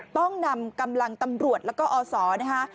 ต้องนำกำลังตำรวจแล้วก็อศนะคะ